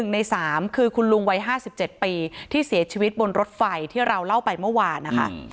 ใน๓คือคุณลุงวัย๕๗ปีที่เสียชีวิตบนรถไฟที่เราเล่าไปเมื่อวานนะคะ